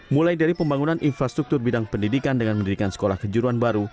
mulai dari pembangunan infrastruktur bidang pendidikan dengan mendirikan sekolah kejuruan baru